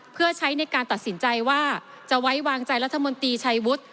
เพื่อใช้ในการตัดสินใจว่าจะไว้วางใจรัฐมนตรีชัยวุฒิ